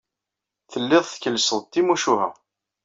Telliḍ tkellseḍ-d timucuha.